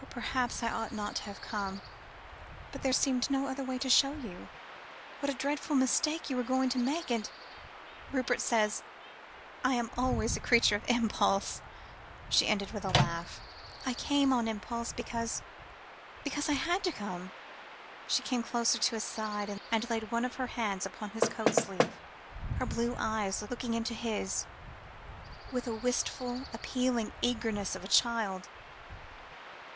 perhaps I ought not to have come, but there seemed no other way to show you what a dreadful mistake you were going to make, and Rupert says I am always a creature of impulse," she ended with a little laugh. "I came on impulse, because because I had to come." She came closer to his side, and laid one of her hands upon his coat sleeve, her blue eyes looking into his, with the wistful, appealing eagerness of a child's eyes.